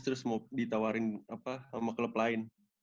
terus mau ditawarin sama klub lain